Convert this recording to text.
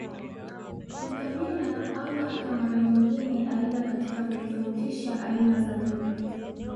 Mkabila au hata mara nyingine aina katika kutofautisha aina za vitu